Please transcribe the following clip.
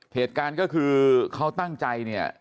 เหตุการณ์ก็คือเขาตั้งใจ